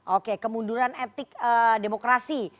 oke kemunduran etik demokrasi